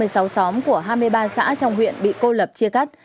hai mươi sáu xóm của hai mươi ba xã trong huyện bị cô lập chia cắt